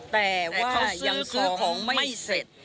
แต่ว่าถ้ายังซื้อของไม่เสร็จ